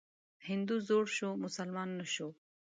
هندو زوړ شو مسلمان نه شو.